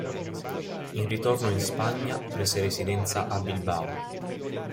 In ritorno in Spagna prese residenza a Bilbao.